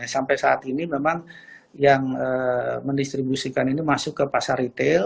sampai saat ini memang yang mendistribusikan ini masuk ke pasar retail